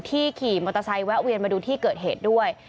ขี่มอเตอร์ไซค์แวะเวียนมาดูที่เกิดเหตุด้วย